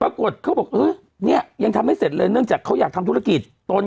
ปรากฏเขาบอกเออเนี่ยยังทำไม่เสร็จเลยเนื่องจากเขาอยากทำธุรกิจตน